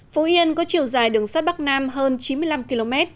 phú yên có chiều dài đường sắt bắc nam hơn chín mươi năm km